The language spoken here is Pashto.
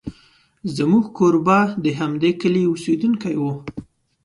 زموږ کوربه د همدې کلي اوسېدونکی و.